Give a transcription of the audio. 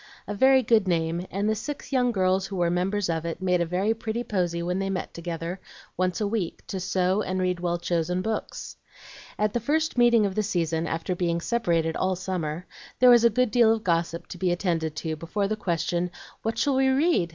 A very good name, and the six young girls who were members of it made a very pretty posy when they met together, once a week, to sew, and read well chosen books. At the first meeting of the season, after being separated all summer, there was a good deal of gossip to be attended to before the question, "What shall we read?"